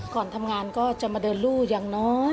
ก่อนทำงานก็จะมาเดินรูอย่างน้อย